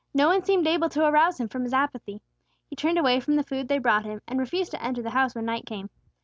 No one seemed able to arouse him from his apathy. He turned away from the food they brought him, and refused to enter the house when night came.